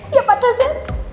iya pak terus ya